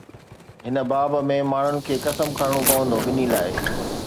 هن باب ۾ ماڻهن کي قسم کڻڻو پوندو، ٻنهي لاءِ